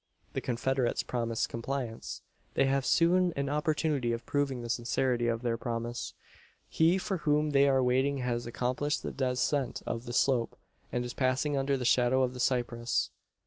The confederates promise compliance. They have soon an opportunity of proving the sincerity of their promise. He for whom they are waiting has accomplished the descent of the slope, and is passing under the shadow of the cypress.